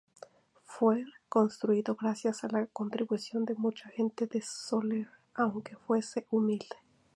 Fue construido gracias a la contribución de mucha gente de Sóller, aunque fuese humilde.